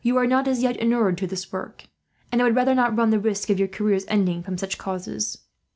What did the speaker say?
You are not as yet inured to this work, and I would rather not run the risk of your careers ending from such causes.